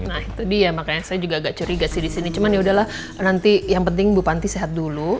nah itu dia makanya saya juga gak curiga sini cuman ya udahlah nanti yang penting ibu panti sehat dulu